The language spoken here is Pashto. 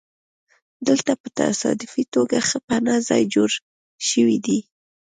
دلته په تصادفي توګه ښه پناه ځای جوړ شوی دی